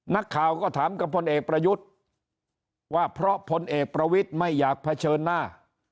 นักข่าวก็ถามกับพลเอกประยุทธ์ว่าเพราะพลเอกประวิทย์ไม่อยากเผชิญหน้า